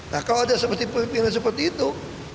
nah kalau ada pemimpinnya seperti itu